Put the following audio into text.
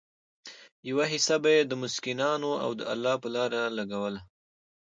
يوه حيصه به ئي د مسکينانو او د الله په لاره لګوله